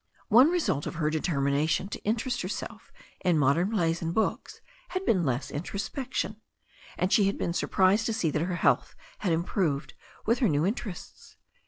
One result of her determination to interest herself in modern plays and books had been less introspection, and she had been surprised to see that her health had improved with her new interests.